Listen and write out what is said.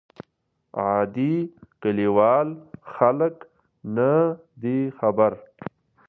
عادي کلیوال خلک نه دي خبر.